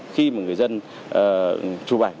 khi mà người dân chụp ảnh